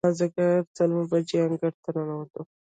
د مازدیګر څلور بجې انګړ ته ننوتو.